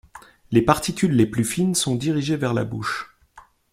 Les particules les plus fines sont dirigées vers la bouche.